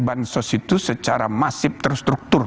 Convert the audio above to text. bansos itu secara masif terstruktur